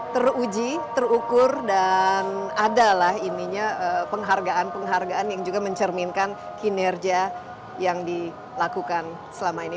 teruji terukur dan adalah penghargaan penghargaan yang juga mencerminkan kinerja yang dilakukan selama ini